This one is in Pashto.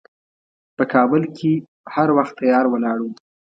په کابل کې هر وخت تیار ولاړ و.